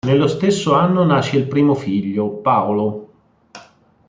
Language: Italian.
Nello stesso anno nasce il primo figlio, Paolo.